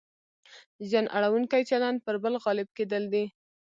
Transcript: زیان اړونکی چلند پر بل غالب کېدل دي.